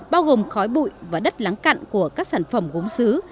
bao gồm khói bụi và đất lắng cặn của các sản phẩm gốm xứ